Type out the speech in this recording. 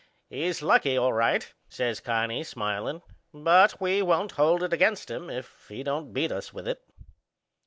"He's lucky, all right," says Connie smilin'; "but we won't hold it against him if he don't beat us with it."